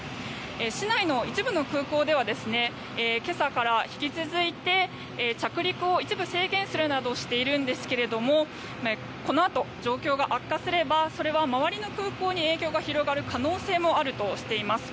市内の一部の空港では今朝から引き続いて着陸を一部制限するなどしているんですけれどもこのあと状況が悪化すれば周りの空港に影響が広がる可能性もあるとしています。